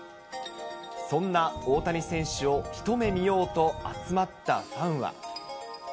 そんな大谷選手を一目見ようと集まったファンは。